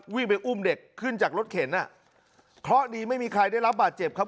วิ่งไปอุ้มเด็กขึ้นจากรถเข็นอ่ะเคราะห์ดีไม่มีใครได้รับบาดเจ็บครับ